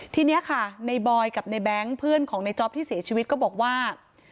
ทีนี้ค่ะในบอยกับในแบงค์เพื่อนของในจ๊อปที่เสียชีวิตก็บอกว่า